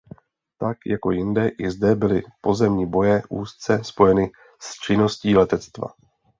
Tak jako jinde i zde byly pozemní boje úzce spojeny s činností letectva.